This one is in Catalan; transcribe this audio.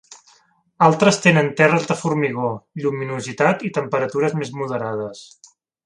Altres tenen terres de formigó, lluminositat i temperatures més moderades.